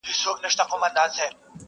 او يوه ورځ د بېګانه وو په حجره کي چېرته!.